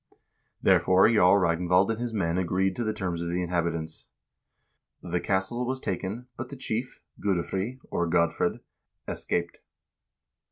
Therefore Jarl Ragnvald and his men agreed to the terms of the inhabitants. " 1 The castle was taken, but the chief (Gudifrey, or Godfred) escaped.